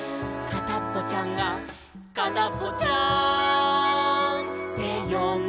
「かたっぽちゃんとかたっぽちゃん